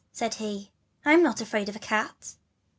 said he; I'm not afraid of a cat.